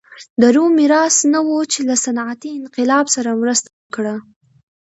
د روم میراث نه و چې له صنعتي انقلاب سره مرسته وکړه.